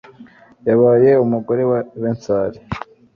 yabaye umugore wa bensali